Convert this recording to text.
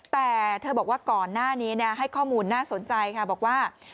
แต่เธอบอกว่าก่อนหน้านี้ให้ข้อมูลน่าสนใจค่ะบอกว่า